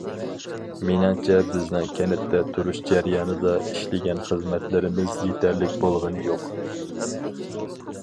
مېنىڭچە بىزنىڭ كەنتتە تۇرۇش جەريانىدا ئىشلىگەن خىزمەتلىرىمىز يېتەرلىك بولغىنى يوق.